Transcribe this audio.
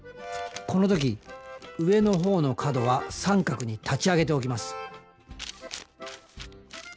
この時上の方の角は三角に立ち上げておきます